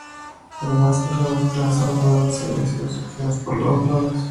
Además, algunas casas abandonadas habían sido saqueadas por ladrones.